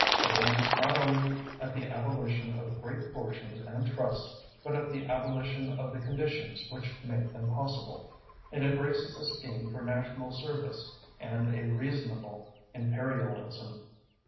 It aims not only at the abolition of great fortunes and trusts, but at the abolition of the conditions which make them possible. It embraces a scheme for national service and a reasonable imperialism.